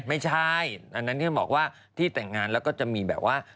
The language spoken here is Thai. ไม่ใช่อันนั้นที่บอกว่าที่แต่งงานแล้วก็จะมีแบบว่า